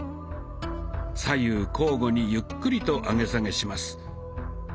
左右交互にゆっくりと上げ下げします。